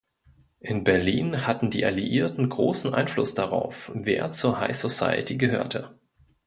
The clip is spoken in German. In Berlin hatten die Alliierten großen Einfluss darauf, wer zur High Society gehörte.